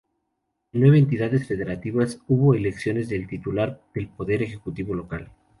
En nueve entidades federativas hubo elecciones del titular del Poder Ejecutivo Local.